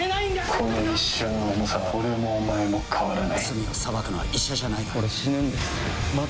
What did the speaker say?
この一瞬の重さは俺もお前も変わらない罪を裁くのは医者じゃないだろう俺死ぬんですまだ